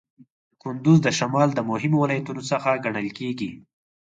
کندز د شمال د مهمو ولایتونو څخه ګڼل کیږي.